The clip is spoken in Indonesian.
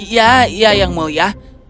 ya ya yang mulia